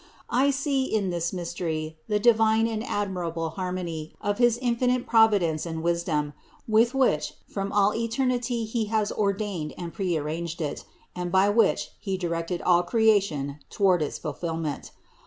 I see in this mystery the divine and admirable harmony of his infinite providence and wisdom, with which from all eternity He has ordained and prearranged it, and by which He directed all creation toward its ful fillment.